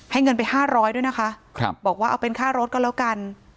เงินไป๕๐๐ด้วยนะคะบอกว่าเอาเป็นค่ารถก็แล้วกัน